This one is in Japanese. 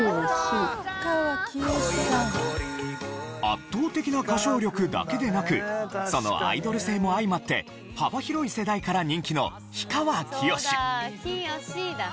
圧倒的な歌唱力だけでなくそのアイドル性も相まって幅広い世代から人気のそうだ。